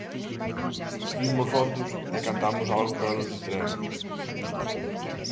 Vimos fotos e cantamos algo para nos distraer.